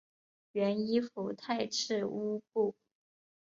原依附泰赤乌部。